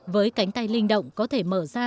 với cánh tay linh động có thể mở ra